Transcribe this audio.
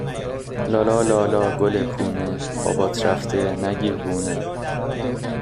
لالا، لالا، گل پونه، بابات رفته نگیر بونه